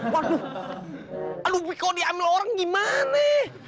waduh aduh bi kalo diambil orang gimana